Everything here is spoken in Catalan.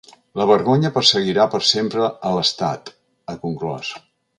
La vergonya perseguirà per sempre a l’estat, ha conclòs.